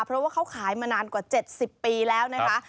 เพราะว่าเขาขายมานานกว่า๗๐ปีแล้วนะคะ